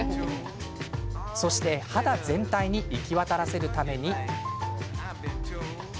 そして、肌全体に行き渡らせるために。